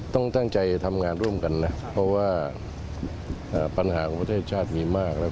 ตั้งใจทำงานร่วมกันนะเพราะว่าปัญหาของประเทศชาติมีมากแล้ว